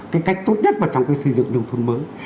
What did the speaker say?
cái cách tốt nhất vào trong cái xây dựng nông thôn mới